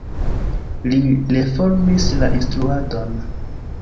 Li reformis la instruadon.